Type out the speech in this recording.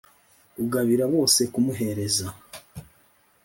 ugabira bose kumuhereza